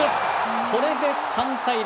これで３対０。